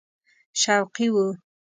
شوقي وو.